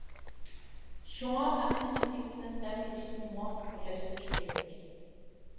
شۇڭا، ئەقلىي ئەمگەك بىلەن دەم ئېلىشنى مۇۋاپىق بىرلەشتۈرۈش كېرەك.